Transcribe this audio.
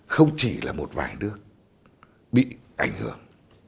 không chỉ là một vài nước bị ảnh hưởng